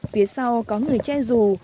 phía sau có người che rù